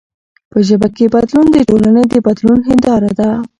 په ژبه کښي بدلون د ټولني د بدلون هنداره ده.